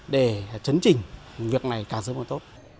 để chấn trình việc này càng sớm càng tốt